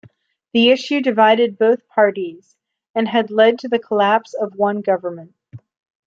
The issue divided both parties, and had led to the collapse of one government.